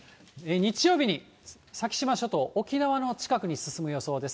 日曜日に先島諸島、沖縄の近くに進む予想です。